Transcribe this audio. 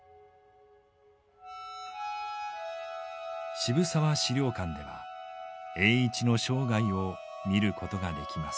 渋沢史料館では栄一の生涯を見ることができます。